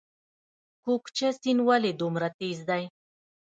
کوکچه سیند ولې دومره تیز دی؟